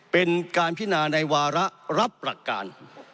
เป็นการพินาในวาระรับหลักการ